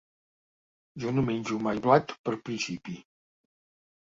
Jo no menjo mai blat per principi.